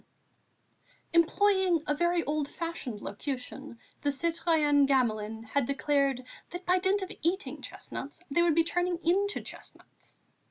VII Employing a very old fashioned locution, the citoyenne Gamelin had declared: "that by dint of eating chestnuts they would be turning into chestnuts."